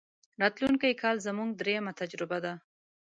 راتلونکی کال زموږ درېمه تجربه ده.